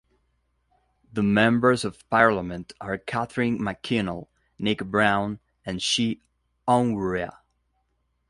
The Members of parliament are Catherine McKinnell, Nick Brown and Chi Onwurah.